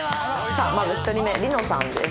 さあまず１人目璃乃さんです。